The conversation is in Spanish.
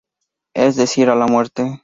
Es decir a la muerte.